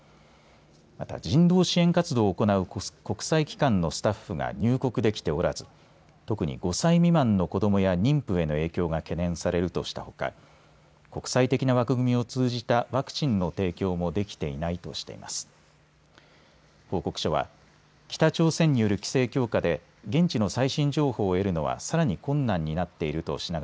また人道支援活動を行う国際機関のスタッフが入国できておらず特に５歳未満の子どもや妊婦への影響が懸念されるとしたほか国際的な枠組みを通じたワクチンの提供もできていないとしています。